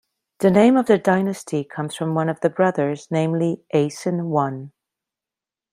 The name of the dynasty comes from one of the brothers, namely Asen I.